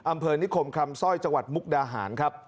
อำเภอนิคมคำสร้อยจังหวัดมุกดาหารครับ